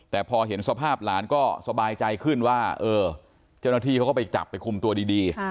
แต่พอเห็นสภาพหลานก็สบายใจขึ้นว่าเออเจ้าหน้าที่เขาก็ไปจับไปคุมตัวดี